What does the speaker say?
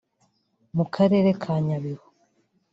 mu Karere ka Nyabihu